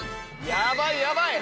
やばいやばい！